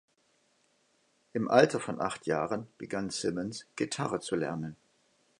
Im Alter von acht Jahren begann Simmons Gitarre zu lernen.